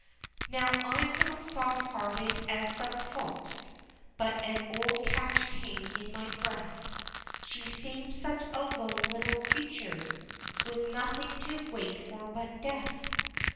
Now I'm not soft hearted as some folks, But an odd catch came in my breath, She seemed such a lone little creature, With nothing to wait for but death.